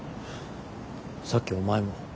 さっきお前も。